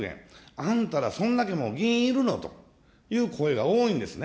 あんたら、そんだけの議員いるのという声が多いんですね。